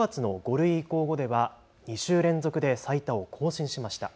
ことし５月の５類に移行後では２週連続で最多を更新しました。